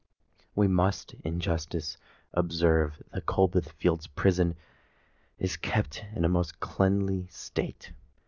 We must in justice observe that Coldbath Fields' Prison is kept in a most cleanly state.